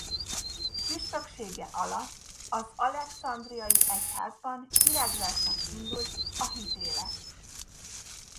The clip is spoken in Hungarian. Püspöksége alatt az alexandriai egyházban virágzásnak indult a hitélet.